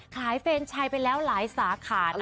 ขายเฟรนชัยไปแล้วหลายสาขานะคะ